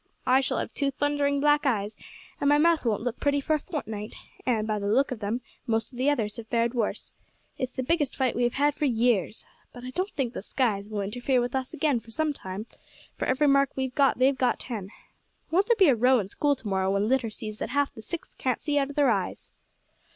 I shall have two thundering black eyes, and my mouth won't look pretty for a fortnight; and, by the look of them, most of the others have fared worse. It's the biggest fight we have had for years. But I don't think the 'skies' will interfere with us again for some time, for every mark we've got they've got ten. Won't there be a row in School to morrow when Litter sees that half the Sixth can't see out of their eyes."